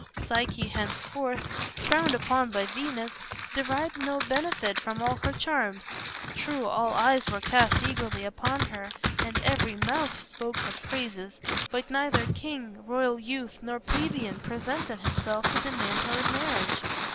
Psyche, henceforth frowned upon by Venus, derived no benefit from all her charms. True, all eyes were cast eagerly upon her, and every mouth spoke her praises; but neither king, royal youth, nor plebeian presented himself to demand her in marriage.